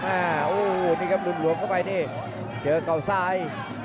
อะอู้วนี่ครับนุ่มหลวงเข้าไปนี่เจอกล่องซ้าย